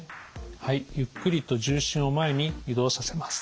はいゆっくりと重心を前に移動させます。